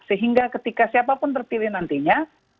sehingga ketika siapapun terpilih nantinya